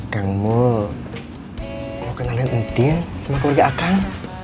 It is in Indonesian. kamu mau kenalin utin sama keluarga akang